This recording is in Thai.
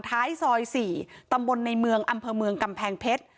ท้ายซอย๔ตำบลในเมืองอำเภอเมืองกำแพงเพชร